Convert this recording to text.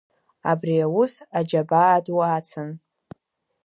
Абри аус аџьабаа ду ацын.